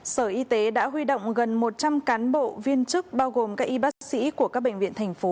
sở y tế đã huy động gần một trăm linh cán bộ viên chức bao gồm các y bác sĩ của các bệnh viện thành phố